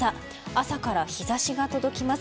朝から日差しが届きます。